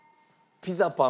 ピザパン。